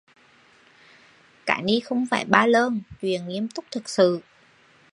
Cái ni không phải ba lơn, chuyện nghiêm túc thật sự!